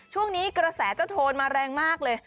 ช่วงนี้กระแสเจ้าโทนมาแรงมากเลย